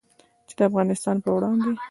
چې د افغانستان په وړاندې